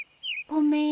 ごめん。